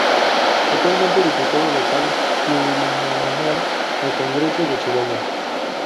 Actualmente diputado local plurinominal al Congreso de Chihuahua.